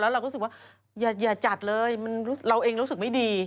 เราก็รู้สึกว่าอย่าจัดเลยเราเองรู้สึกไม่ดี